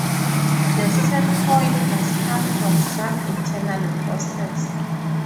The setpoint must come from some internal process.